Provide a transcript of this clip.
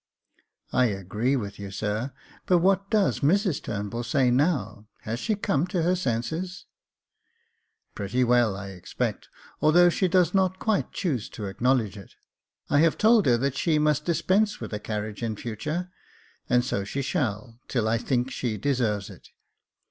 " I agree with you, sir ; but what does Mrs Turnbull say now — has she come to her senses ?" "Pretty well, I expect, although she does not quite choose to acknowledge it. I have told her that she must dispense with a carriage in future ; and so she shall, till I think she deserves it.